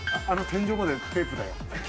天井までテープだよ。